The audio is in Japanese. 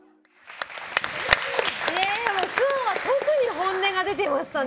今日は特に本音が出てましたね。